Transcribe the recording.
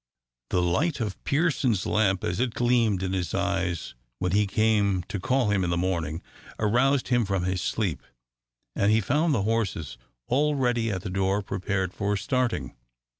The light of Pearson's lamp, as it gleamed in his eyes when he came to call him in the morning, aroused him from his sleep, and he found the horses already at the door prepared for starting.